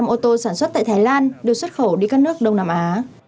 năm mươi ô tô sản xuất tại thái lan đều xuất khẩu đi các nước đông nam á